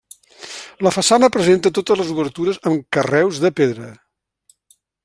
La façana presenta totes les obertures amb carreus de pedra.